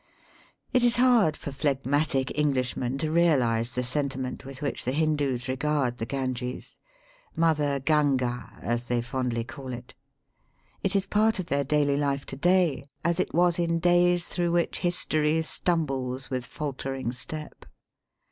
It is hard for phlegmatic EngUshmen to reaUze the sentiment with which the Hindoos regard the Ganges — Mother Gangd, as they fondly call it. It is part of their daily Ufe to day, as it was in days through which history stumbles with faltering step.